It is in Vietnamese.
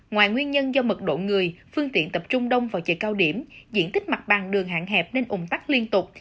ngoài nguyên nhân do mật độ người phương tiện tập trung đông vào chợ cao điểm diện tích mặt bằng đường hạn hẹp nên ủng tắc liên tục